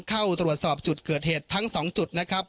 เข้าตรวจสอบจุดเกิดเหตุทั้ง๒จุดนะครับ